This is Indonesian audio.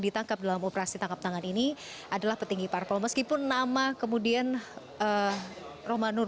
ditangkap dalam operasi tangkap tangan ini adalah petinggi parpol meskipun nama kemudian rohmanur